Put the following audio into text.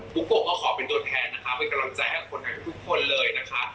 บุโปก็ขอเป็นตัวแทนนะคะมาให้กำลังใจเองทุกคนมันเลยนะคะ